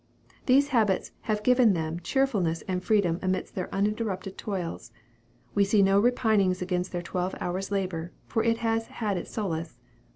These habits have given them cheerfulness and freedom amidst their uninterrupted toils. We see no repinings against their twelve hours' labor, for it has had its solace.